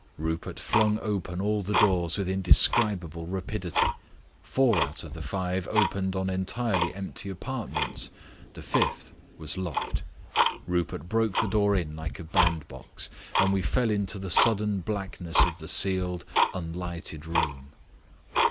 Rupert flung open all the doors with indescribable rapidity. Four out of the five opened on entirely empty apartments. The fifth was locked. Rupert broke the door in like a bandbox, and we fell into the sudden blackness of the sealed, unlighted room.